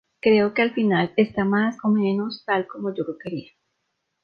Creo que al final está más o menos tal como yo lo quería.